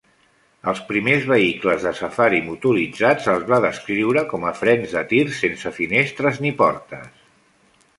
Als primers vehicles de safari motoritzats se'ls va descriure com a frens de tir sense finestres ni portes.